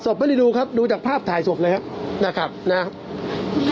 เอ่อศพไม่ได้ดูครับดูจากภาพถ่ายศพเลยครับนะครับนะครับ